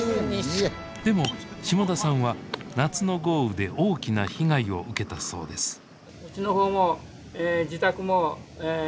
でも下田さんは夏の豪雨で大きな被害を受けたそうです